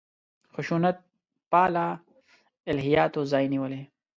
خشونت پاله الهیاتو ځای نیولی دی.